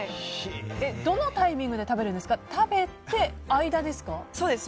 どのタイミングで食べるんですか、食べてからそうです。